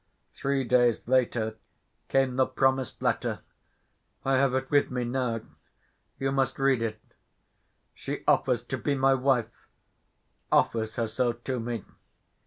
Three days later came the promised letter. I have it with me now. You must read it. She offers to be my wife, offers herself to me.